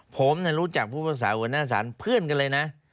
ผมเนี่ยรู้จักพูดภาคสาบันหน้าศาลเพื่อนกันเลยนะ